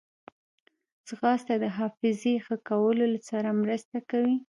ځغاسته د حافظې ښه کولو سره مرسته کوي